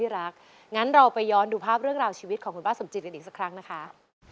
งั้นเราไปย้อนดูภาพเรื่องราวชีวิตของคุณป้าสมจิตกันอีกสักครั้งนะคะ